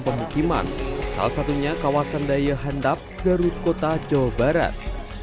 pemukiman salah satunya kawasan daya handap garut kota jawa barat